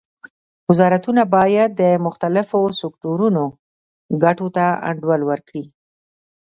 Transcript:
وزارتونه باید د مختلفو سکتورونو ګټو ته انډول ورکړي